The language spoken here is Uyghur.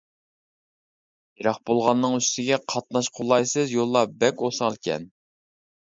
يىراق بولغاننىڭ ئۈستىگە قاتناش قولايسىز، يوللار بەك ئوسالكەن.